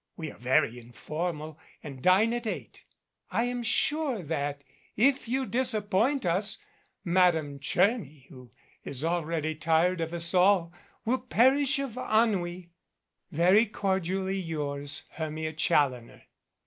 We are very informal and dine at eight. ft I am sure that if you disappoint us Madame Tcherny, who is already tired of us all, will perish of ennui. Very cordially yours, HERMIA CHALLONER.